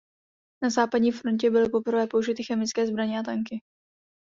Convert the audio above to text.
Na západní frontě byly poprvé použity chemické zbraně a tanky.